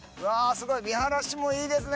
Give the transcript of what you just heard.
すごい見晴らしもいいですね